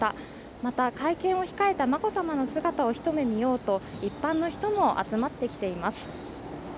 また、会見を控えた眞子さまの姿を一目見ようと一般の人も集まってきています。